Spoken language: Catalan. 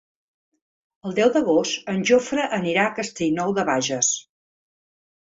El deu d'agost en Jofre anirà a Castellnou de Bages.